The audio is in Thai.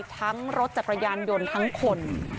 ทั้งรถจากกระยานยนต์ทั้งคน